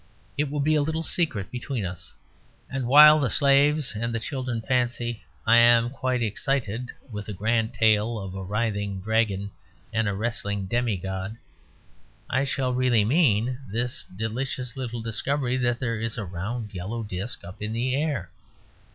It will be a little secret between us; and while the slaves and the children fancy I am quite excited with a grand tale of a writhing dragon and a wrestling demigod, I shall really MEAN this delicious little discovery, that there is a round yellow disc up in the air."